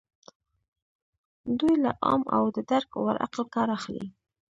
دوی له عام او د درک وړ عقل کار اخلي.